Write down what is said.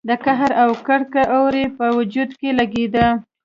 د قهر او کرکې اور يې په وجود کې لګېده.